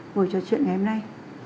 ngồi trò chuyện ngày hôm nay